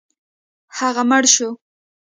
هغه مړ شو.